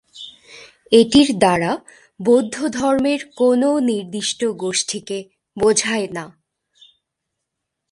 এটির দ্বারা বৌদ্ধধর্মের কোনও নির্দিষ্ট গোষ্ঠীকে বোঝায় না।